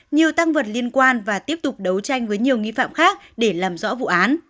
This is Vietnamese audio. nhiều tăng vật liên quan và tiếp tục đấu tranh với nhiều nghi phạm khác để làm rõ vụ án